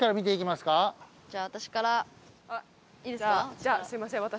じゃあすいません私から。